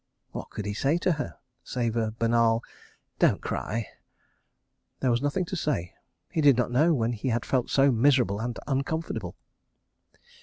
What could he say to her?—save a banal "Don't cry"? There was nothing to say. He did not know when he had felt so miserable and uncomfortable.